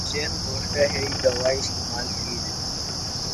حسن گھوݜٹہ یھئی دوائی استعمال تِھی دےۡ۔